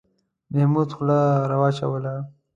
محمود خوله را وچوله.